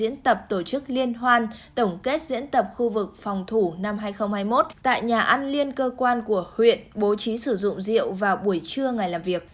diễn tập tổ chức liên hoan tổng kết diễn tập khu vực phòng thủ năm hai nghìn hai mươi một tại nhà ăn liên cơ quan của huyện bố trí sử dụng rượu vào buổi trưa ngày làm việc